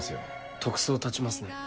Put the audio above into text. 特捜立ちますね。